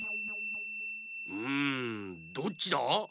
うんどっちだ？